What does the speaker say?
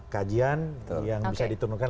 kajian yang bisa ditunjukkan